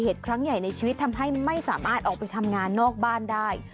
ครั้งใหญ่ในชีวิตทำให้ไม่สามารถออกไปทำงานนอกบ้านได้